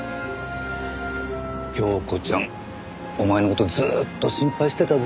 杏子ちゃんお前の事ずっと心配してたぞ。